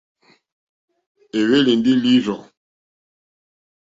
É hwélì ndí lǐrzɔ̀.